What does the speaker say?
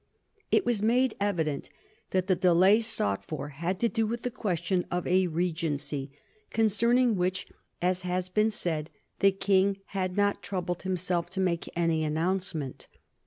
It was made evident that the delay sought for had to do with the question of a regency, concerning which, as has been said, the King had not troubled himself to make any announcement.